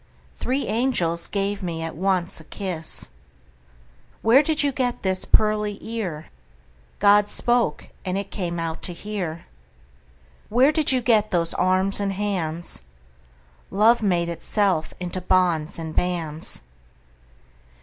Three angels gave me at once a kiss. Where did you get this pearly ear? God spoke, and it came out to hear. Where did you get those arms and hands? Love made itself into bonds and bands.